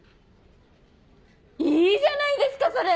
いいじゃないですかそれ！